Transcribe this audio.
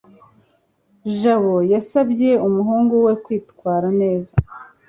jabo yasabye umuhungu we kwitwara neza